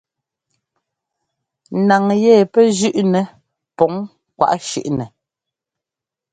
Naŋ yɛ pɛ́ jʉ́ꞌnɛ pɔŋ kwaꞌ shʉ́ꞌnɛ.